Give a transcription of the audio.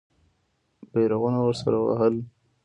بیرغونه ورسره وهل.